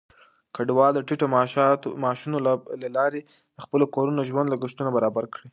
کډوال د ټيټو معاشونو له لارې د خپلو کورونو د ژوند لګښتونه برابر کړي.